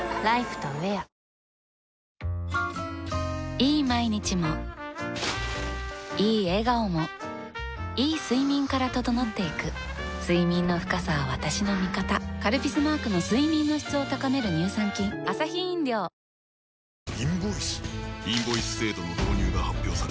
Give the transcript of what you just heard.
いい毎日もいい笑顔もいい睡眠から整っていく睡眠の深さは私の味方「カルピス」マークの睡眠の質を高める乳酸菌お願いしやす！